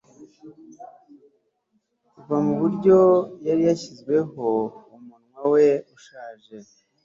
Kuva muburyo yari yashyizeho umunwa we ushaje